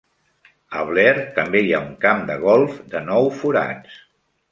A Blair també hi ha un camp de golf de nou forats.